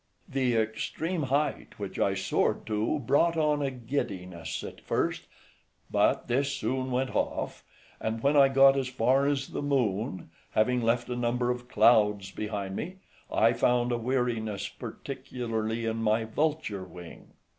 The extreme height which I soared to brought on a giddiness at first, but this soon went off; and when I got as far the Moon, having left a number of clouds behind me, I found a weariness, particularly in my vulture wing.